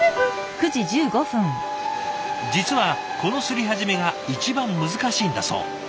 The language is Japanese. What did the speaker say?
実はこの刷り始めが一番難しいんだそう。